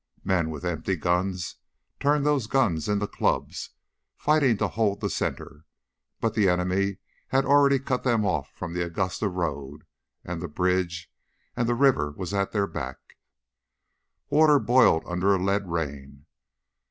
Men with empty guns turned those guns into clubs, fighting to hold the center. But the enemy had already cut them off from the Augusta road and the bridge, and the river was at their backs. Water boiled under a lead rain.